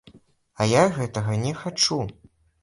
А я гэтага не хачу.